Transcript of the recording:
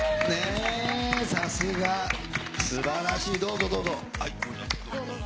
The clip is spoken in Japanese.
さすが、すばらしい、どうぞ、どうぞ。